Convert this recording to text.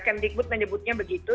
kemdikbud menyebutnya begitu